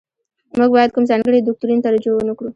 موږ باید کوم ځانګړي دوکتورین ته رجوع ونکړو.